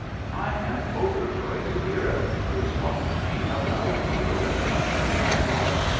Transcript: "I am overjoyed to hear it. Please talk to me about beetles." I talked.